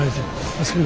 あそこに。